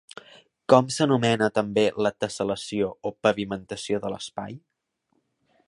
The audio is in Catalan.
Com s'anomena també la tessel·lació o pavimentació de l'espai?